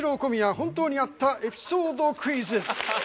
本当にあったエピソードクイズ」。